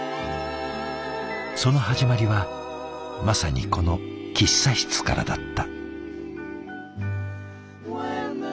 その始まりはまさにこの喫茶室からだった。